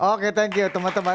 oke thank you teman teman